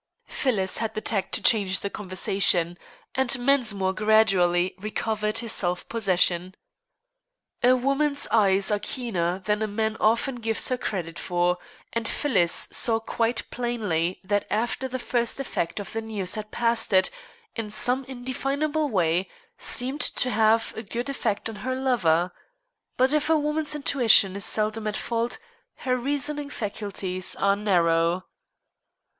Phyllis had the tact to change the conversation, and Mensmore gradually recovered his self possession. A woman's eyes are keener than a man often gives her credit for; and Phyllis saw quite plainly that after the first effect of the news had passed it, in some indefinable way, seemed to have a good effect on her lover. But if a woman's intuition is seldom at fault her reasoning faculties are narrow.